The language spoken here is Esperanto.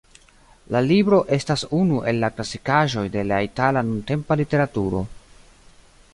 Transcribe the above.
La libro estas unu el la klasikaĵoj de la itala nuntempa literaturo.